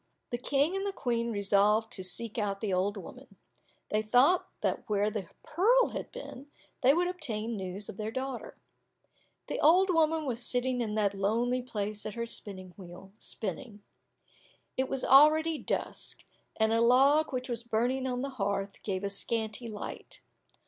The King and the Queen resolved to seek out the old woman. They thought that there where the pearl had been, they would obtain news of their daughter. The old woman was sitting in that lonely place at her spinning wheel, spinning. It was already dusk, and a log which was burning on the hearth gave a scanty light.